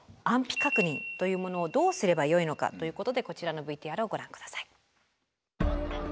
安否確認というものをどうすればよいのかということでこちらのＶＴＲをご覧下さい。